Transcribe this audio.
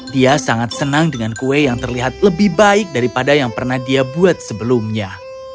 dia sangat senang dengan kue yang terlihat lebih baik daripada yang pernah dia buat sebelumnya